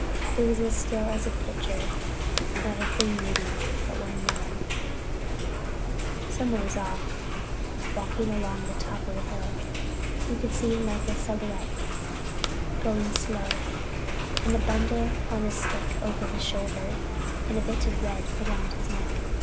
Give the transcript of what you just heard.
It was as still as a picture, not a thing moving, but one man, someways off, walking along the top of a hill. You could see him like a silhouette, going slow, with a bundle on a stick over his shoulder, and a bit of red round his neck.